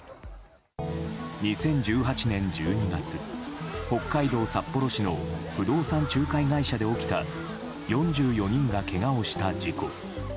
２０１８年１２月北海道札幌市の不動産仲介会社で起きた４４人がけがをした事故。